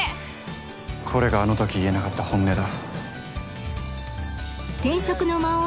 これがあのとき言えなかった本音だ。